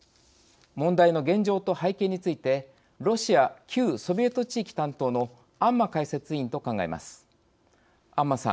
問題の現状と背景についてロシア・旧ソビエト地域担当の安間解説委員と考えます。